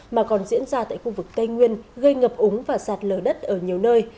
mà còn diễn ra tại khu vực tây nguyên gây ngập úng và sạt lở đất ở nhiều nơi